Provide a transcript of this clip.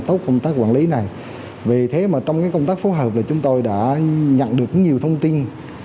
tốt công tác quản lý này vì thế mà trong cái công tác phối hợp là chúng tôi đã nhận được nhiều thông tin